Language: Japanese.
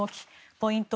ポイント